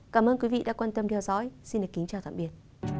cảm ơn quý vị đã quan tâm theo dõi xin kính chào tạm biệt